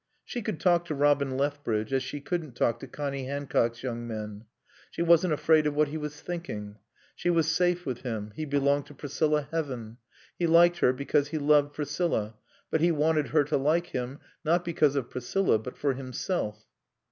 She could talk to Robin Lethbridge as she couldn't talk to Connie Hancock's young men. She wasn't afraid of what he was thinking. She was safe with him, he belonged to Priscilla Heaven. He liked her because he loved Priscilla; but he wanted her to like him, not because of Priscilla, but for himself.